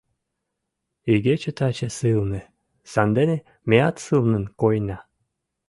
Игече таче сылне, сандене меат сылнын койына.